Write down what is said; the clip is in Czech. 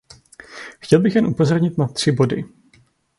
Chtěl bych jen upozornit na tři body.